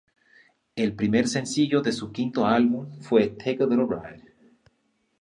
El primer sencillo de su quinto álbum fue "Take a Little Ride".